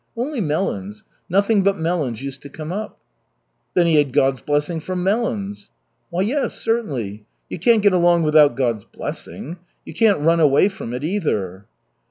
Only melons. Nothing but melons used to come up." "Then he had God's blessing for melons." "Why, yes, certainly. You can't get along without God's mercy. You can't run away from it either."